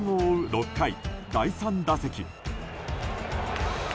６回、第３打席。